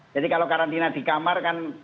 jadi kalau karantina di kamar kan